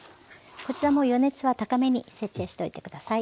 こちらも予熱は高めに設定しておいて下さい。